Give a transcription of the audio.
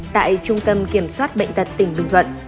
tại trung tâm kiểm soát bệnh tật tỉnh bình thuận